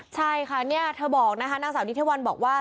ใช่ค่ะเนี่ยเธอบอกนะคะนางสาวนิทวันบอกว่า